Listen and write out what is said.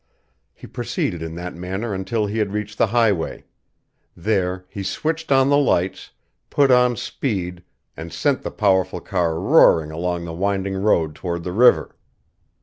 He proceeded in that manner until he had reached the highway. There he switched on the lights, put on speed, and sent the powerful car roaring along the winding road toward the river.